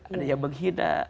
ada yang menghina